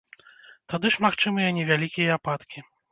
Тады ж магчымыя невялікія ападкі.